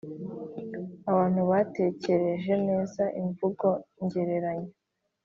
abantu batekereje neza, imvugo ngereranyo